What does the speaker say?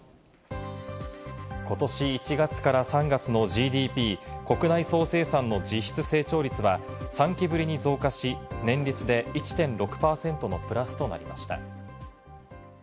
ことし１月から３月のＧＤＰ＝国内総生産の実質成長率は３期ぶりに増加し、年率で１．６％のプラスとなりました。